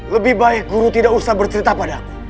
lebih baik guru tidak usah bercerita padaku